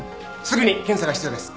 すぐに検査が必要です。